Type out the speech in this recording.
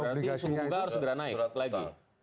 berarti suhu bunga harus segera naik lagi